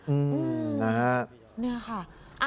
อืมนะฮะ